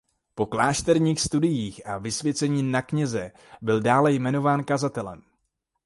Po klášterních studiích a vysvěcení na kněze byl dále jmenován kazatelem.